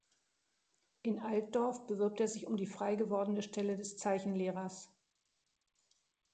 In Altdorf bewirbt er sich um die freigewordene Stelle des Zeichenlehrers.